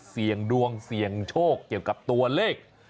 เสี่ยงดวงเสี่ยงโชคเกี่ยวกับตัวเลข